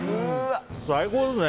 最高ですね。